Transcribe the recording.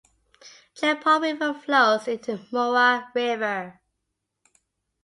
Jempol River flows into Muar River.